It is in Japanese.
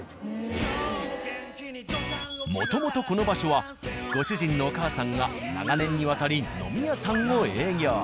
もともとこの場所はご主人のお母さんが長年にわたり飲み屋さんを営業。